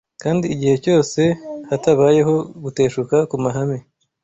kandi igihe cyose hatabayeho guteshuka ku mahame